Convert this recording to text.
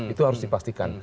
itu harus dipastikan